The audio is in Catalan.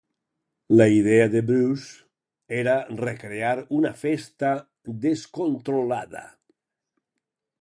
La idea de Bruce era recrear una festa descontrolada.